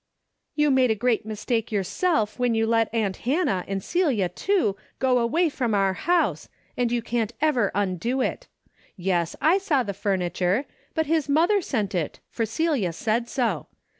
"You made a great mistake yourself, when you let aunt Hannah, and Celia, too, go away from our house, and you can't ever undo it. Yes, I saw the furniture, but his mother sent it, for Celia said so.